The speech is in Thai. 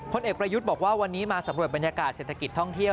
เอกประยุทธ์บอกว่าวันนี้มาสำรวจบรรยากาศเศรษฐกิจท่องเที่ยว